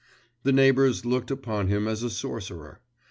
… The neighbours looked upon him as a sorcerer.